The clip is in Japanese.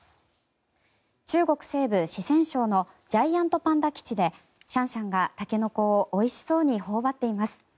中国西部、四川省のジャイアントパンダ基地でシャンシャンがタケノコをおいしそうに頬張っています。